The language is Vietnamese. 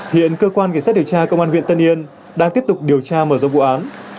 hiện cơ quan kỳ xét điều tra công an nguyện tân yên đang tiếp tục điều tra mở rộng vụ án